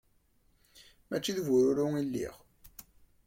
Mačči d bururu i lliɣ.